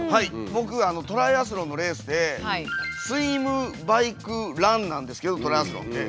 僕トライアスロンのレースで「スイム」「バイク」「ラン」なんですけどトライアスロンって。